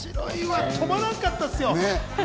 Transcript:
止まらんかったですよ。